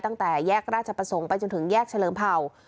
ตั้งแต่แยกราชประสงค์ไปจนถึงแยกเฉลิมเผ่า